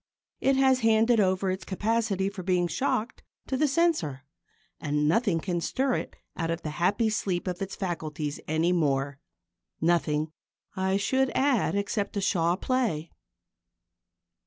It has handed over its capacity for being shocked to the Censor, and nothing can stir it out of the happy sleep of its faculties any more nothing, I should add, except a Shaw play.